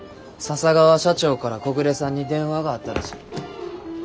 笹川社長から木暮さんに電話があったらしい。